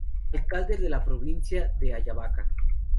Alcalde de la Provincia de Ayabaca.